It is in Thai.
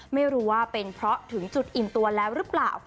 ไม่รู้ว่าเป็นเพราะถึงจุดอิ่มตัวแล้วหรือเปล่า